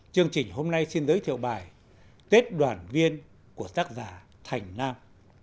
chương trình hôm nay xin giới thiệu bài tết đoàn viên của tác giả thành nam